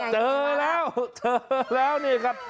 เจอแล้วเจอแล้วนี่ครับ